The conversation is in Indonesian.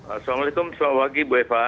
assalamualaikum selamat pagi bu eva